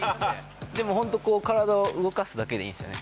もうホントこう体を動かすだけでいいんですよね